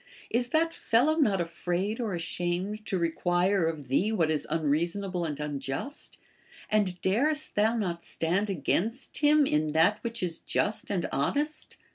is that fellow not afraid or ashamed to require of thee what is unreasonable and unjust, and darest thou not stand against him in that which is just and honest?